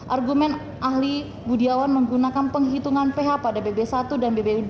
argumen ahli budiawan menggunakan penghitungan ph pada bb satu dan bb dua